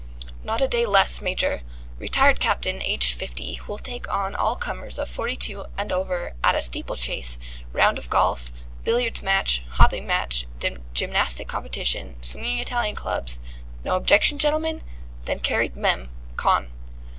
... "Not a day less, Major. 'Retired Captain, aged fifty, who'll take on all comers of forty two and over, at a steeplechase, round of golf, billiards match, hopping match, gymnastic competition, swinging Indian clubs ' No objection, gentlemen? Then carried mem. con."